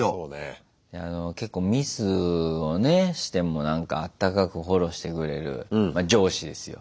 結構ミスをねしてもなんかあったかくフォローしてくれる上司ですよ。